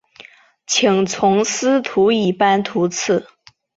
请从司徒以班徙次。